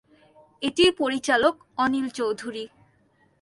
এটির পরিচালক অনিল চৌধুরী।